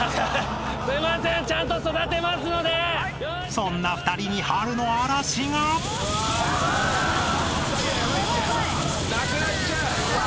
［そんな２人に春の嵐が］なくなっちゃう。